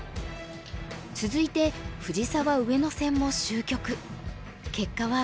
続いて藤沢・上野戦も終局。